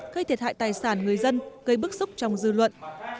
gây thiệt hại tài sản người dân gây bức xúc trong dư luận